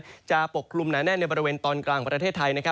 นี้จะปกคลุมหนาแน่นในพระเวนตอนกลางประเทศไทย